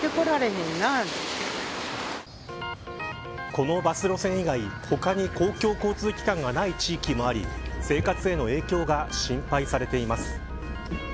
このバス路線以外他に公共交通機関がない地域もあり生活への影響が心配されています。